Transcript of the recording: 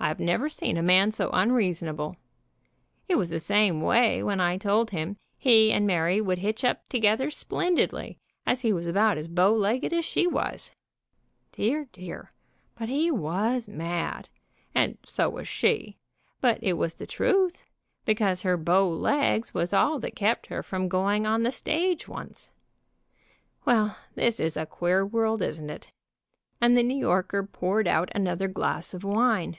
I have never seen a man so unreason People take him for my younger brother. able. It was the same way when I told him he and Mary would hitch up together splendidly, as he was about as bow legged as she was. Dear, dear, but he was mad, and so was she, but it was the truth, because QUEER CASE IN NEW YORK 219 her bow legs was all that kept her from going on the stage once. Well, this is a queer world, isn't it?" and the New Yorker poured out another glass of wine.